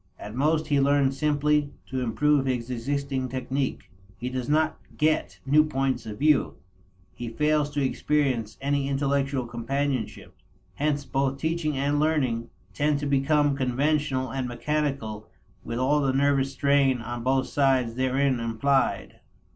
At most he learns simply to improve his existing technique; he does not get new points of view; he fails to experience any intellectual companionship. Hence both teaching and learning tend to become conventional and mechanical with all the nervous strain on both sides therein implied.